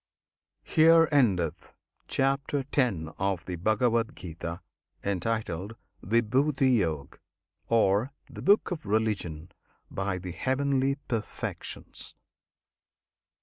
HERE ENDETH CHAPTER X. OF THE BHAGAVAD GITA, Entitled "Vibhuti Yog," Or "The Book of Religion by the Heavenly Perfections."